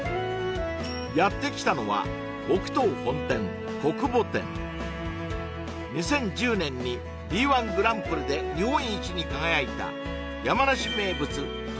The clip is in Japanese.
やってきたのは２０１０年にＢ−１グランプリで日本一に輝いた山梨名物鳥もつ煮が楽しめるお店